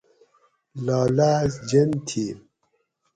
لالاۤچ جین تھی